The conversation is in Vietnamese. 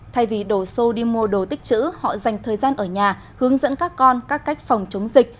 thay vì đổ xô đi mua đồ tích chữ họ dành thời gian ở nhà hướng dẫn các con các cách phòng chống dịch